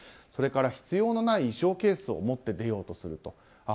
それから、必要のない衣装ケースを持って出ようとする。